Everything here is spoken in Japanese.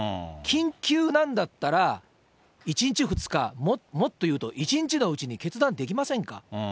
緊急なんだったら、１日２日、もっと言うと１日のうちに決断できませんか？